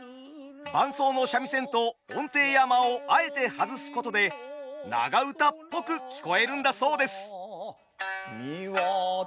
伴奏の三味線と音程や間をあえて外すことで長唄っぽく聞こえるんだそうです。